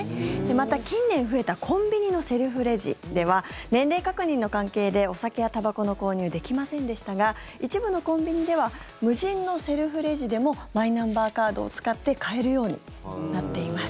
また、近年増えたコンビニのセルフレジでは年齢確認の関係でお酒やたばこの購入はできませんでしたが一部のコンビニでは無人のセルフレジでもマイナンバーカードを使って買えるようになっています。